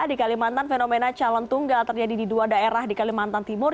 di kalimantan fenomena calon tunggal terjadi di dua daerah di kalimantan timur